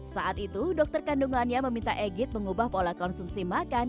saat itu dokter kandungannya meminta egit mengubah pola konsumsi makan